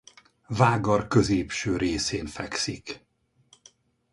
Vágar középső részén fekszik.